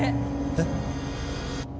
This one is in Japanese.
えっ？